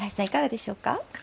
いかがでしょうか？